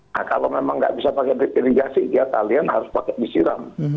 nah kalau memang nggak bisa pakai irigasi ya kalian harus pakai disiram